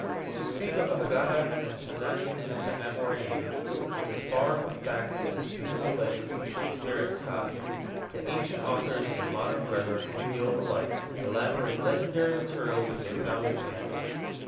To speak of the Haggadah of the Tannaim and Amoraim is as far from fact as to speak of the legends of Shakespeare and Scott. The ancient authors and their modern brethren of the guild alike elaborate legendary material which they found at hand.